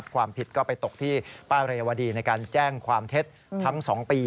ความผิดก็ไปตกที่ป้าเรวดีในการแจ้งความเท็จทั้ง๒ปี